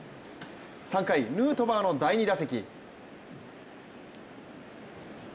３回、ヌートバーの第２打席。